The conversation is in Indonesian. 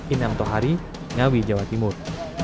inam tohari ngawi jawa timur